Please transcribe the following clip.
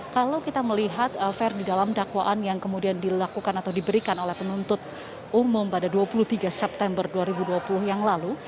kalau kita melihat ferdi dalam dakwaan yang kemudian dilakukan atau diberikan oleh penuntut umum pada dua puluh tiga september dua ribu dua puluh yang lalu